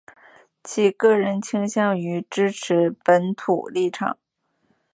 其个人倾向于支持本土立场。